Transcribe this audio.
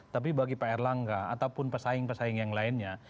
tapi bagi pak erlangga ataupun pesaing pesaing yang lainnya